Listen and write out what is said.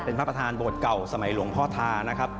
เป็นพระประธานโบสถเก่าสมัยหลวงพ่อทานะครับ